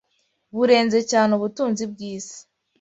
burenze cyane ubutunzi bw’isi.